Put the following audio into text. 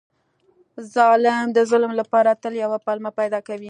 ظالم د ظلم لپاره تل یوه پلمه پیدا کوي.